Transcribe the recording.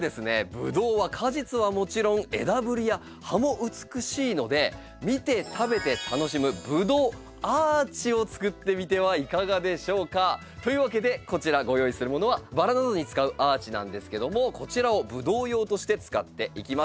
ブドウは果実はもちろん枝ぶりや葉も美しいのでをつくってみてはいかがでしょうか？というわけでこちらご用意するものはバラなどに使うアーチなんですけどもこちらをブドウ用として使っていきます。